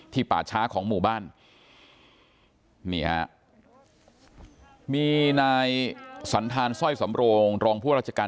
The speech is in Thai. ป่าช้าของหมู่บ้านนี่ฮะมีนายสันธารสร้อยสำโรงรองผู้ราชการ